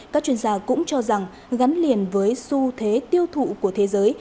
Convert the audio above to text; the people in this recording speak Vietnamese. các chuyên gia cũng cho rằng gắn liền với xu thế tiêu thụ của thế giới